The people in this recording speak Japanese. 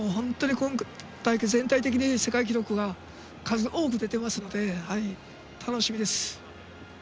今大会、全体的に世界記録が数多く出ていますので楽しみです。